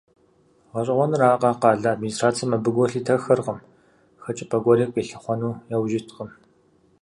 ГъэщӀэгъуэнракъэ, къалэ администрацэм абы гу лъитэххэркъым, хэкӀыпӀэ гуэри къилъыхъуэну яужь иткъым.